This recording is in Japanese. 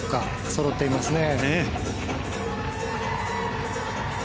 そろっていますね。